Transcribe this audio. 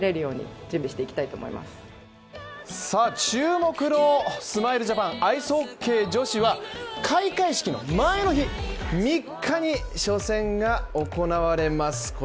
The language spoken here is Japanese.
注目のスマイルジャパンアイスホッケー女子は、開会式の前の日３日に初戦が行われます